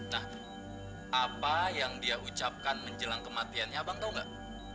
nah apa yang dia ucapkan menjelang kematiannya abang tahu nggak